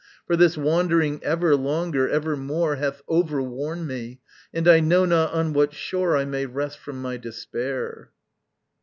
For this wandering everlonger, evermore, Hath overworn me, And I know not on what shore I may rest from my despair.